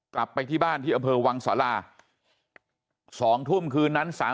กลับไปที่บ้านที่อำเภอวังสารา๒ทุ่มคืนนั้น